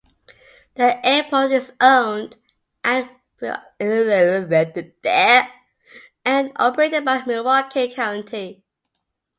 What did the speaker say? The airport is owned and operated by Milwaukee County.